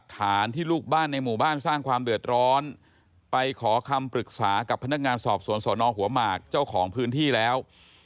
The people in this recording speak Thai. ไปขอคำปรึกษากับพนักงานสอบสวนสนหัวมากเจ้าของพื้นที่แล้ว